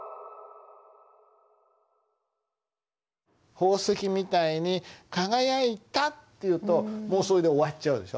「宝石みたいに輝いた」っていうともうそれで終わっちゃうでしょ。